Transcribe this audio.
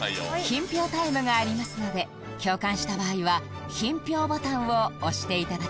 品評タイムがありますので共感した場合は品評ボタンを押して頂きます